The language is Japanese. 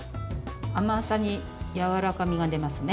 甘さにやわらかみが出ますね。